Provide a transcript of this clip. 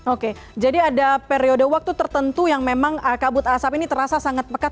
oke jadi ada periode waktu tertentu yang memang kabut asap ini terasa sangat pekat